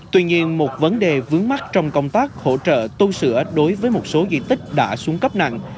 tuy nhiên một vấn đề vướng mắt trong công tác hỗ trợ tu sửa đối với một số di tích đã xuống cấp nặng